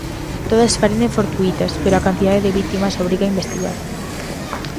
Todas parecen fortuítas, pero a cantidade de vítimas obriga a investigar.